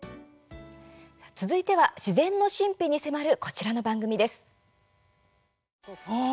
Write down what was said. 続いては自然の神秘に迫るこちらの番組です。